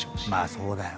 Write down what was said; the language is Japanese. そうだよね。